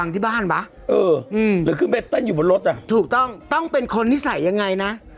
ถูกต้องต้องเป็นคนนิสัยยังไงนะ